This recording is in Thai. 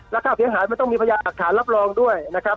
และค่าเสียหายมันต้องมีพยานหลักฐานรับรองด้วยนะครับ